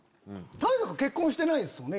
太賀君結婚してないですよね。